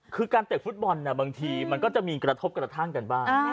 คือการเตะฟุตบอลบางทีมันก็จะมีกระทบกระทั่งกันบ้าง